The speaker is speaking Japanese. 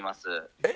えっ？